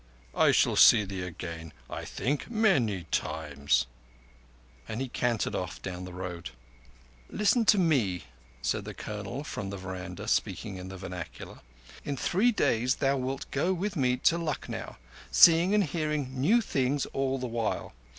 I shall see thee again, I think, many times," and he cantered off down the road. "Listen to me," said the Colonel from the veranda, speaking in the vernacular. "In three days thou wilt go with me to Lucknow, seeing and hearing new things all the while.